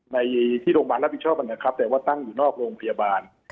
ในที่โรงพยาบาลรับผิดชอบนะครับแต่ว่าตั้งอยู่นอกโรงพยาบาล